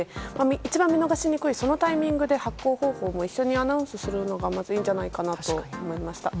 一番見逃しにくいそのタイミングで発行方法も一緒にアナウンスするのがまずは、いいんじゃないかなと思いました。